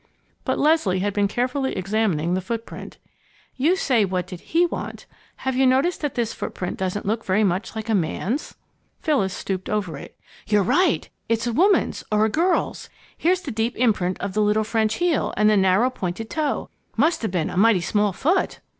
But Leslie had been carefully examining the footprint. "You say, what did 'he' want. Have you noticed that this footprint doesn't look very much like a man's?" Phyllis stooped over it. "You're right! It's a woman's or a girl's. Here's the deep imprint of the little French heel, and the narrow, pointed toe. Must have a mighty small foot!"